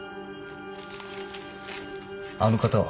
あの方は？